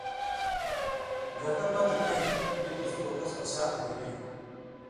گتہ پتہۡ نَیں بِتُس کو کس پشہاں تھہ گی نَیں